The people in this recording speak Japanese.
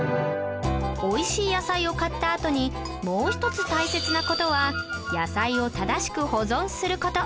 おいしい野菜を買ったあとにもう１つ大切な事は野菜を正しく保存する事